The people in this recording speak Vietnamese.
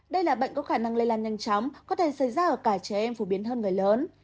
đây là bệnh có khả năng lây lan nhanh chóng có thể xảy ra ở cả trẻ em phổ biến hơn người lớn